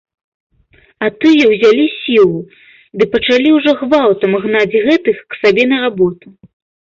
А тыя ўзялі сілу ды пачалі ўжо гвалтам гнаць гэтых к сабе на работу.